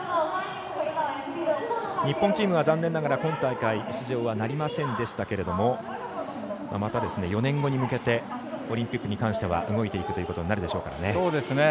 日本チームは残念ながら今大会出場はありませんでしたがまた、４年後に向けてオリンピックに関しては動いていくということになるでしょうね。